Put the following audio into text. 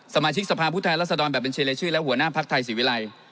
สมาชิกสภาพุทธรรษฎรแบบเป็นเชียรายชื่อและหัวหน้าภักดิ์ไทยสิวิรัย